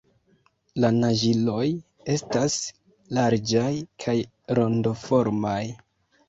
La naĝiloj estas larĝaj kaj rondoformaj.